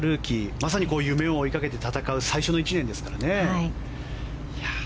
まさに夢を追いかけて戦う最初の１年ですからね。